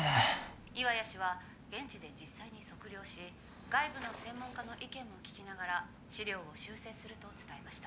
岩谷氏は現地で実際に測量し外部の専門家の意見も聞きながら資料を修正すると伝えました。